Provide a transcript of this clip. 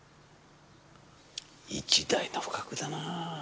一代の不覚だなぁ。